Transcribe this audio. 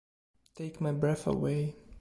Take My Breath Away